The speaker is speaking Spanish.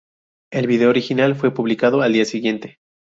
El vídeo original fue publicado al día siguiente.